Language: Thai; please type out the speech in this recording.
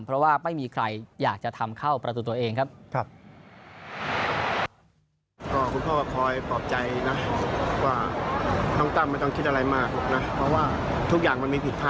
เพราะว่าไม่มีใครอยากจะทำเข้าประตูตัวเองครับ